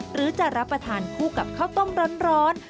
หรือจะรับประทานคู่กับข้าวต้มร้อน